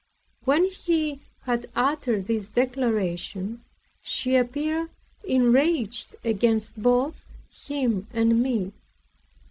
When he had uttered this declaration, she appeared enraged against both him and me.